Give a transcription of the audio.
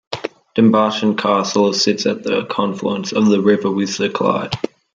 Dumbarton Castle sits at the confluence of the river with the Clyde.